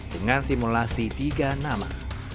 dengan simulasi tiga nama